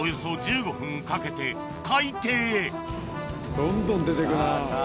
どんどん出てくなぁ。